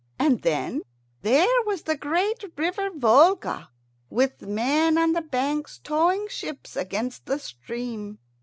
And then there was the great river Volga, with men on the banks towing ships against the stream.